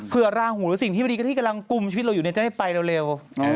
เพื่อราหูหรือสิ่งที่ไม่ดีที่กำลังกุมชีวิตเราอยู่จะได้ไปเร็ว